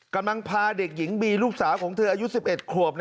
กำลังพาเด็กหญิงบีลูกสาวของเธออายุ๑๑ขวบ